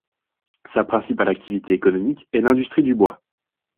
Sa principale activité économique est l'industrie du bois.